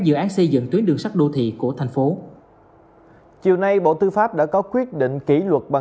dự án xây dựng tuyến đường sắt đô thị của thành phố chiều nay bộ tư pháp đã có quyết định kỷ luật bằng